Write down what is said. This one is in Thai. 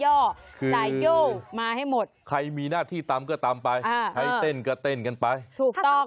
จ่ายโยกมาให้หมดใครมีหน้าที่ตำก็ตำไปใช้เต้นก็เต้นกันไปถูกต้อง